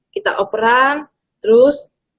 kita operan terus